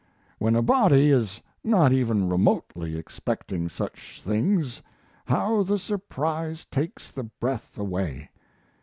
When a body is not even remotely expecting such things, how the surprise takes the breath away!